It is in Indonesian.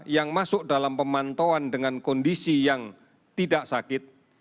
yang masuk dalam pemantauan dengan kondisi yang tidak sakit